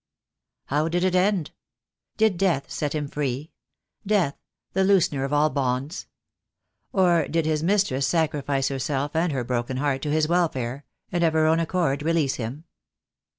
How did it end? Did death set him free — death, the loosener of all bonds? Or did his mistress sacrifice herself and her broken heart to his welfare, and of her own accord release him?